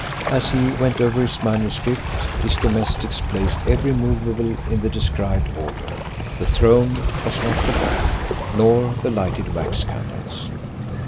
As he went over his manuscript, his domestics placed every moveable in the described order. The throne was not forgotten, nor the lighted wax candles.